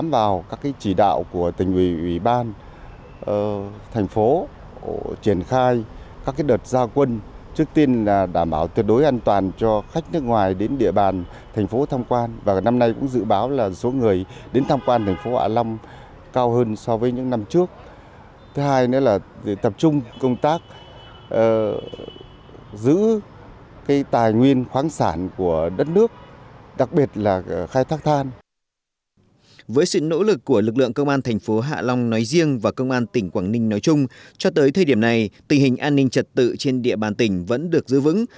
với sự nỗ lực của lực lượng công an thành phố hạ long nói riêng và công an tỉnh quảng ninh nói chung cho tới thời điểm này tình hình an ninh trật tự trên địa bàn tỉnh vẫn được giữ vững